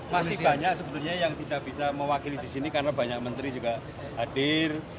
masih banyak sebetulnya yang tidak bisa mewakili di sini karena banyak menteri juga hadir